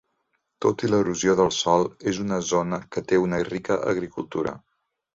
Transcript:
Tot i l'erosió del sòl, és una zona que té una rica agricultura.